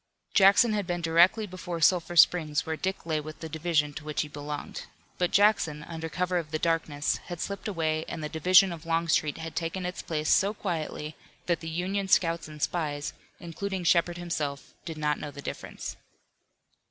Jackson had been directly before Sulphur Springs where Dick lay with the division to which he belonged. But Jackson, under cover of the darkness, had slipped away and the division of Longstreet had taken its place so quietly that the Union scouts and spies, including Shepard himself, did not know the difference.